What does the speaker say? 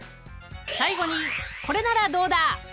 最後にこれならどうだ？